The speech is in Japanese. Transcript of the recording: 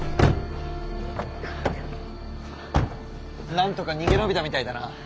なんとか逃げ延びたみたいだな。